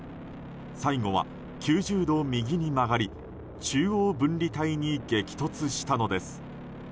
最後は９０度右に曲がり中央分離帯に激突したのです。